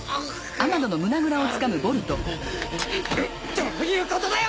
どういうことだよ